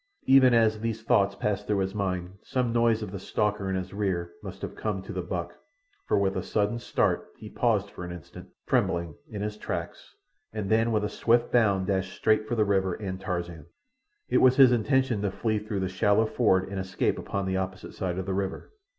Even as these thoughts passed through his mind some noise of the stalker in his rear must have come to the buck, for with a sudden start he paused for an instant, trembling, in his tracks, and then with a swift bound dashed straight for the river and Tarzan. It was his intention to flee through the shallow ford and escape upon the opposite side of the river.